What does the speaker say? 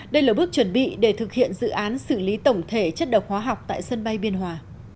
đây là bước chuẩn bị để thực hiện dự án xử lý tổng thể chất độc hóa học tại sân bay biên hòa